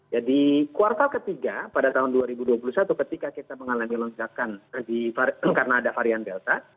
jadi kuartal ketiga pada tahun dua ribu dua puluh satu ketika kita mengalami lonjakan karena ada varian delta